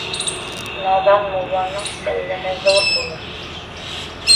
Наҙан мулланың сәлләһе ҙур булыр.